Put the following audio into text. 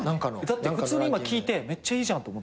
だって普通に今聞いてめっちゃいいじゃんと思ったもん。